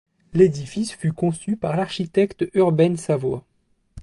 L'édifice fut conçu par l'architecte Urbain Savoie.